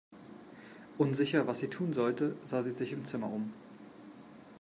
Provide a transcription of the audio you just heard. Unsicher, was sie tun sollte, sah sie sich im Zimmer um.